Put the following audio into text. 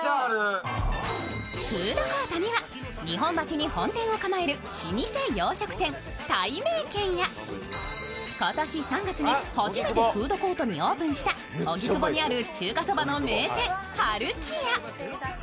フードコートには日本橋に本店を構える老舗洋食店、たいめいけんや今年３月に始めてフードコートにオープンした、荻窪にある中華そばの名店、春木屋。